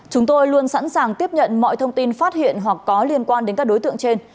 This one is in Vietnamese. chúng tôi luôn sẵn sàng tiếp nhận mọi thông tin phát hiện hoặc có liên quan đến các đối tượng trên